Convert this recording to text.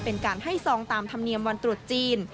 เป็นการให้ซองตามธรรมเนียมวันตรุษจีน